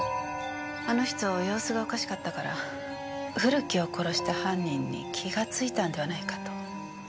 あの人様子がおかしかったから古木を殺した犯人に気がついたのではないかと。